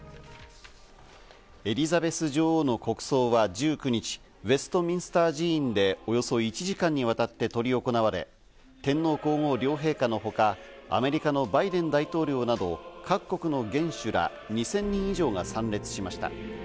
エリザベス女王の国葬は１９日、ウェストミンスター寺院でおよそ１時間にわたって執り行われ、天皇皇后両陛下のほか、アメリカのバイデン大統領など、各国の元首ら２０００人以上が参列しました。